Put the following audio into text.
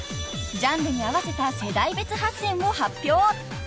［ジャンルに合わせた世代別８選を発表］